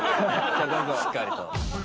しっかりと。